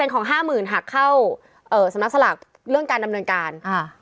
๑๐ของ๕๐๐๐๐หักเข้าสำนักสลักเรื่องการดำเนินการ